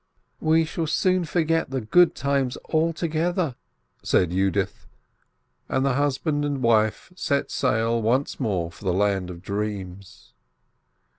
"We shall soon forget the good times altogether," says Yudith, and husband and wife set sail once more for the land of dreams.